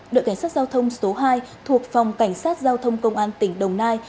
đội cảnh sát giao thông số hai thuộc phòng cảnh sát giao thông công an tỉnh đồng nai